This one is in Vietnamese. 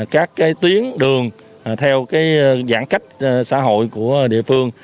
các cái tuyến đường theo cái giãn cách xã hội của địa phương